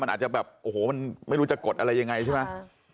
มันอาจจะแบบโอ้โหมันไม่รู้จะกดอะไรยังไงใช่ไหม